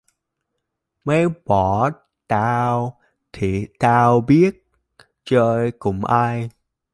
Mày bỏ tao thì tao biết chơi cùng ai